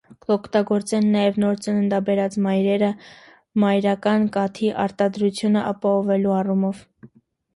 Կ՛օգտագործեն նաեւ նոր ծննդաբերած մայրերը, մայրական կաթի արտադրութիւնը ապահովելու առումով։